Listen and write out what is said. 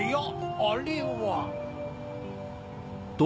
あれは。